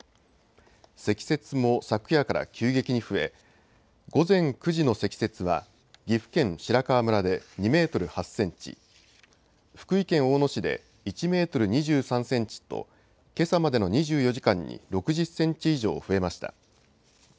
積雪も昨夜から急激に増え午前９時の積雪は岐阜県白川村で２メートル８センチ、福井県大野市で１メートル２３センチとけさまでの２４時間に６０センチ以上増えました。